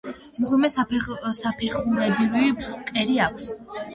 მღვიმეს საფეხურებრივი ფსკერი აქვს.